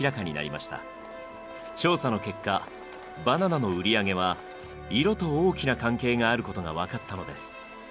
調査の結果バナナの売り上げは色と大きな関係があることが分かったのです。